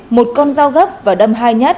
một con dao gấp và đâm hai nhát